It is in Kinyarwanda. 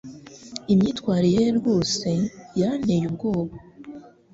Imyitwarire ye rwose yanteye ubwoba.